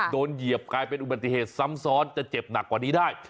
เหยียบกลายเป็นอุบัติเหตุซ้ำซ้อนจะเจ็บหนักกว่านี้ได้